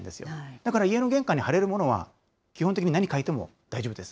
だから家の玄関に貼れるものは、基本的に何書いても大丈夫です。